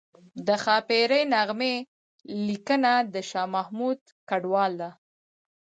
د ښاپیرۍ نغمې لیکنه د شاه محمود کډوال ده